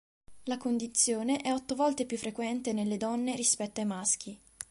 La condizione è otto volte più frequente nelle donne rispetto ai maschi.